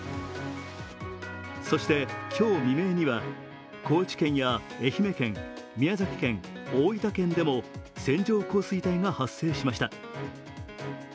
そして今日未明には、高知県や愛媛県、宮崎県、大分県でも線状降水帯が発生しました。